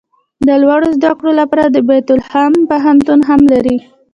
د لوړو زده کړو لپاره د بیت لحم پوهنتون هم لري.